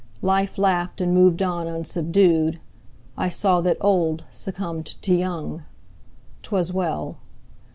Life laughed and moved on unsubdued, I saw that Old succumbed to Young: 'Twas well.